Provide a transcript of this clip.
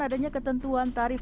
adanya ketentuan tarif